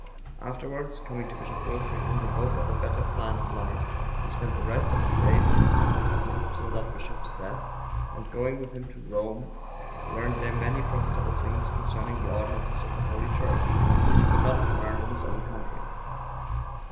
(944) Afterwards, coming to Bishop Wilfrid in the hope of a better plan of life, he spent the rest of his days in attendance on him till that bishop's death, and going with him to Rome, learned there many profitable things concerning the ordinances of the Holy Church, which he could not have learned in his own country.